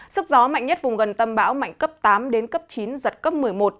sức gió mạnh nhất vùng gần tâm bão mạnh cấp tám đến cấp chín giật cấp một mươi một